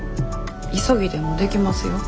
急ぎでもできますよ。